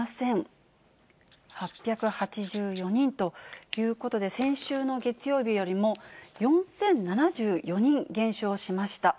１万７８８４人ということで、先週の月曜日よりも４０７４人減少しました。